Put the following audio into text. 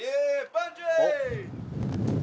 バンジー！